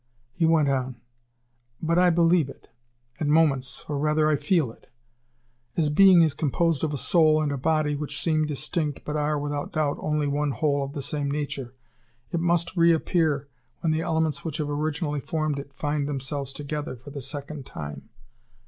He went on: "But I believe it at moments or rather I feel it. As being is composed of a soul and a body, which seem distinct, but are, without doubt, only one whole of the same nature, it must reappear when the elements which have originally formed it find themselves together for the second time.